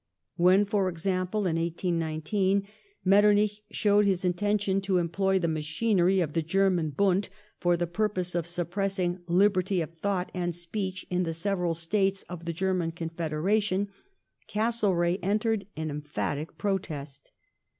When, for 1818 1822 example, in 1819 Metternich showed his intention to employ the machinery of the German Bund' for the purpose of suppressing liberty of thought and speech in the several States of the German Confederation, Castlereagh entered an emphatic protest.